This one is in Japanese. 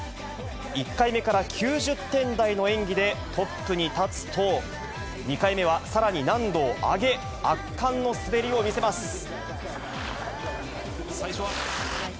１回目から９０点台の演技でトップに立つと、２回目は、さらに難度を上げ、圧巻の滑りを見せます。